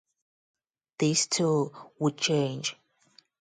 This, too, would change.